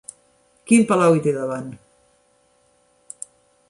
Quin palau hi té davant?